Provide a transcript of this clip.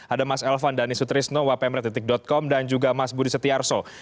ada mas elvan danisu trisno wapemred com dan juga mas budi setiarso